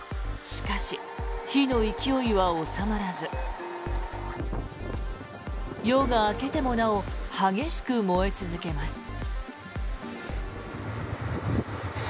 しかし火の勢いは収まらず夜が明けてもなお激しく燃え続けます。